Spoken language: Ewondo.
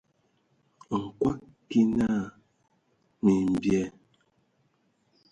Nkɔg kig naa : "Mimbyɛ".